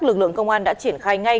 lực lượng công an đã triển khai ngay